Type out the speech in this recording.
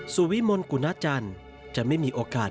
สุวิมนต์กุณฑัชนาจะไม่มีโอกาส